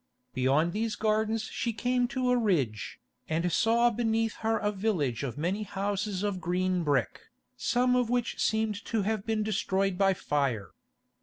Beyond these gardens she came to a ridge, and saw beneath her a village of many houses of green brick, some of which seemed to have been destroyed by fire.